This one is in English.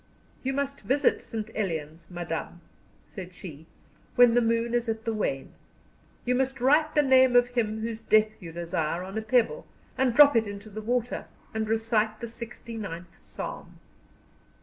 "You must visit St. Elian's, madam," said she, "when the moon is at the wane. You must write the name of him whose death you desire on a pebble, and drop it into the water, and recite the sixty ninth Psalm."